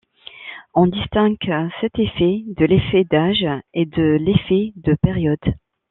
On distingue cet effet de l'effet d'âge et de l'effet de période.